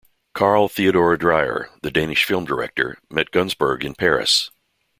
Carl Theodor Dreyer, the Danish film director, met Gunzburg in Paris.